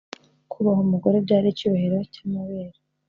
kubaha umugore, byari icyubahiro cy’amabere.